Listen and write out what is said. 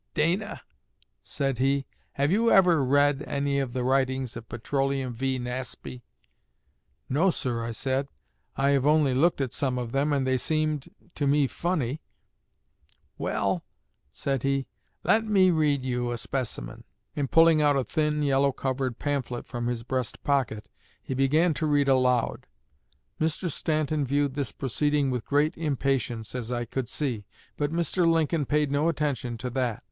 'Dana,' said he, 'have you ever read any of the writings of Petroleum V. Nasby?' 'No, sir,' I said, 'I have only looked at some of them, and they seemed to me funny.' 'Well,' said he, 'let me read you a specimen,' and pulling out a thin yellow covered pamphlet from his breast pocket he began to read aloud. Mr. Stanton viewed this proceeding with great impatience, as I could see; but Mr. Lincoln paid no attention to that.